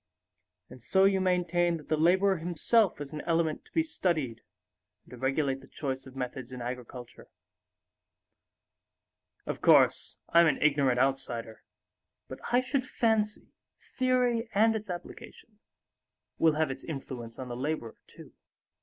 And so you maintain that the laborer himself is an element to be studied and to regulate the choice of methods in agriculture. Of course, I'm an ignorant outsider; but I should fancy theory and its application will have its influence on the laborer too."